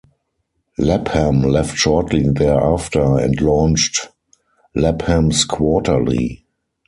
Lapham left shortly thereafter and launched "Lapham's Quarterly".